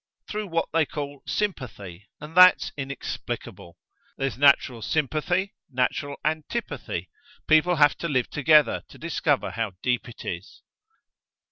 Through what they call sympathy, and that's inexplicable. There's natural sympathy, natural antipathy. People have to live together to discover how deep it is!"